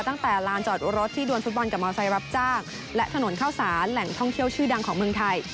ตั้งแต่ลานจอดรถที่ดวนฟุตบอลกับมอเซลรับจ้างและถนนข้าวสารแหล่งท่องเที่ยวชื่อดังของเมืองไทย